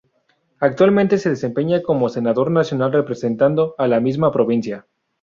Actualmente se desempeña como senador nacional representando a la misma provincia.